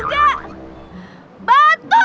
iya kamu berhenti juga